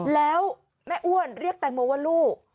แล้วแม่อ้วนเรียกแตงโมว่าลูก